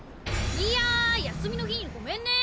いや休みの日にごめんね！